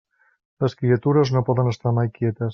Les criatures no poden estar mai quietes.